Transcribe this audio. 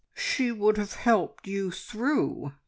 "She would have helped you through!"